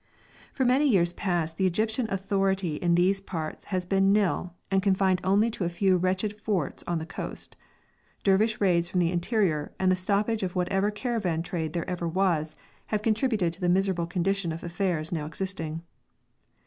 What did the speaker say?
For many years past the Egyptian authority in these parts has been nil, and confined only to a few wretched forts on the coast. Dervish raids from the interior and the stoppage of whatever caravan trade there ever was have contributed to the miserable condition of affairs now existing.